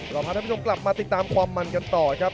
รอพันธุ์ให้พี่ผู้ชมกลับมาติดตามความมันกันต่อครับ